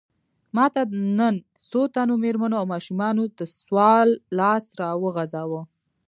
ماته نن څو تنو مېرمنو او ماشومانو د سوال لاس راوغځاوه.